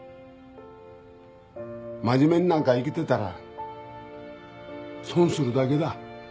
真面目になんか生きてたら損するだけだ。